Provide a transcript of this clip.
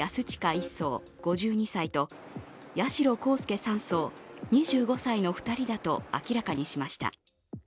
１曹５２歳と八代航佑３曹の２人だと明らかにしました。